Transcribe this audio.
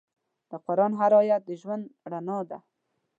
د قرآن هر آیت د ژوند رڼا ده.